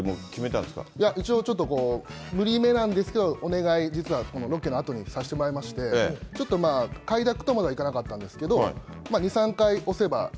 いや、一応ちょっと無理めなんですけど、お願い、実はこのロケのあとにさせてもらいまして、ちょっとまあ、快諾とまではいかなかったんですけど、２、え？